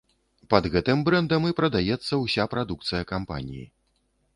Пад гэтым брэндам і прадаецца ўся прадукцыя кампаніі.